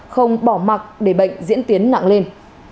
không bỏ mặt để bệnh diễn tiến nặng lên